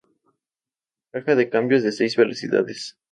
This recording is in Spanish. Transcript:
Caja de cambios de seis velocidades.